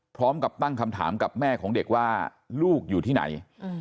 พร้อมกับตั้งคำถามกับแม่ของเด็กว่าลูกอยู่ที่ไหน